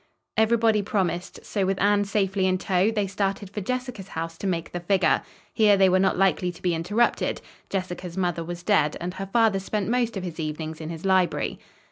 Everybody promised; so, with Anne safely in tow, they started for Jessica's house to make the figure. Here they were not likely to be interrupted. Jessica's mother was dead and her father spent most of his evenings in his library.